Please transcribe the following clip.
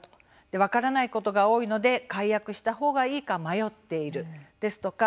分からないことが多いので解約した方がいいか迷っているですとか